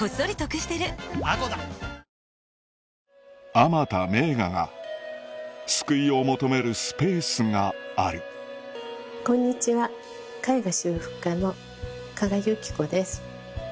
あまた名画が救いを求めるスペースがあるこんにちは絵画修復家の加賀優記子です。